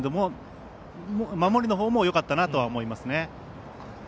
守りのほうもよかったなと思いますね。